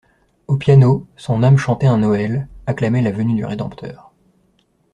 Au piano, son âme chantait un Noël, acclamait la venue du Rédempteur.